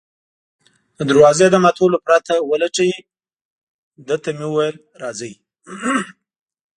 د دروازې د ماتولو پرته ولټوي، ده ته مې وویل: راځئ.